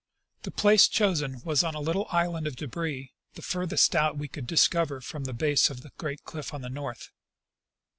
The place chosen was on a little island of debris, the farthest out we could discover from the base of the great cliff on the north.